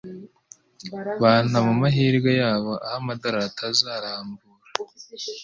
Bantu mumahirwe yabo aho amadorari atazarambura